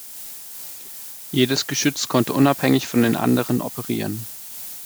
Jedes Geschütz konnte unabhängig von den anderen operieren.